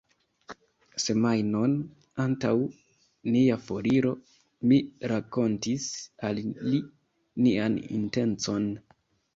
Semajnon antaŭ nia foriro mi rakontis al li nian intencon.